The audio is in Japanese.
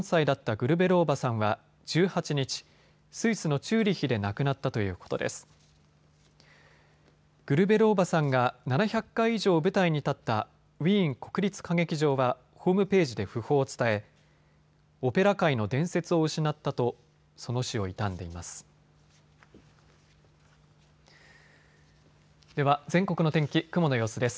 グルベローバさんが７００回以上舞台に立ったウィーン国立歌劇場はホームページで訃報を伝え、オペラ界の伝説を失ったとその死を悼んでいます。